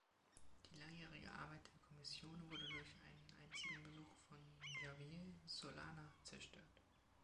Die langjährige Arbeit der Kommission wurde durch einen einzigen Besuch von Javier Solana zerstört.